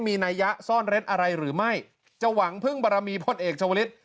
มีนัยยะซ่อนเร้นอะไรหรือไม่จะหวังพึ่งบารมีพลเอกชาวลิศ